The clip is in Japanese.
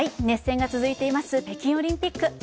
熱戦が続いています北京オリンピック。